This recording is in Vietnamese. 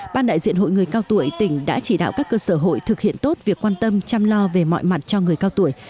ban đại diện hội người cao tuổi tỉnh đã chỉ đạo các cơ sở hội thực hiện tốt việc quan tâm chăm lo về mọi mặt cho người cao tuổi